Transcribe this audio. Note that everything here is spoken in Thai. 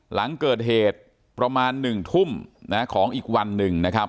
หลังเกิดเหตุประมาณ๑ทุ่มของอีกวันหนึ่งนะครับ